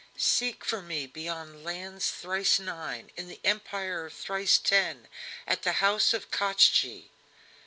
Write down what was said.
Seek for me beyond lands thrice nine, in the Empire of Thrice ten, at the house of Koshchei."